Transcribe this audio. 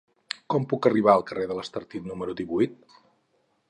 Com puc arribar al carrer de l'Estartit número divuit?